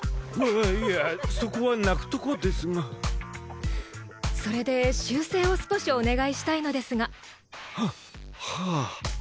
いやそこは泣くとこですがそれで修正を少しお願いしたいのですがははあ